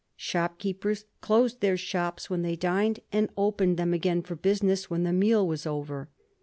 Shopkeepers closed their shops when they dined and opened them again for business when the meal was over.